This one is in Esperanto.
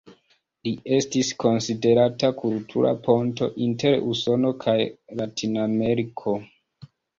Li estis konsiderata kultura ponto inter Usono kaj Latinameriko.